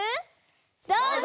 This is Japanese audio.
どうぞ！